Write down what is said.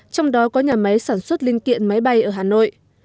trong đó có nhà máy sản xuất linh kiện máy bay ở hà nội